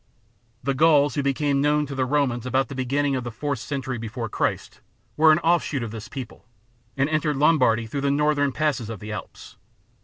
The Gauls who became known to the Romans about the beginning of the fourth century before Christ were an offshoot of this people, and entered Lombardy through the northern passes of the Alps.